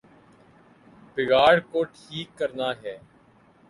بگاڑ کو ٹھیک کرنا ہے۔